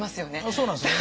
そうなんですよ